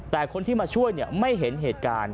แต่คนที่มาช่วยไม่เห็นเหตุการณ์